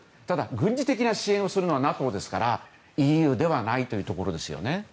ただ、軍事的な支援をするのはＮＡＴＯですからＥＵではないというところです。